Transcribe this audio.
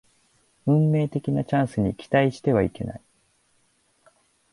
運命的なチャンスに期待してはいけない